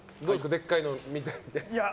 でっかいのを見て。